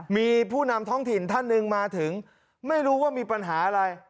มีผู้นำท้องถิ่นท่านหนึ่งมาถึงไม่รู้ว่ามีปัญหาอะไร